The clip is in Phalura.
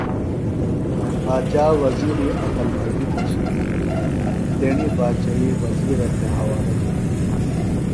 باچا وزِیری عقلمندیۡ پشیۡ تیݨی باچئیۡ وزِیرہ تھےۡ حوالہ دِتیۡ